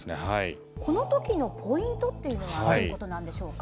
この時のポイントっていうのはどういうことなんでしょうか？